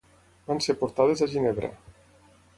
Van ser portades a Ginebra.